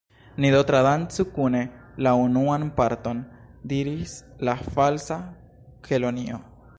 "Ni do tradancu kune la unuan parton," diris la Falsa Kelonio.